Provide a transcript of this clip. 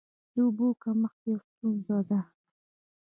د اوبو کمښت یوه ستونزه ده.